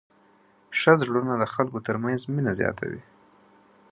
ښه زړونه د خلکو تر منځ مینه زیاتوي.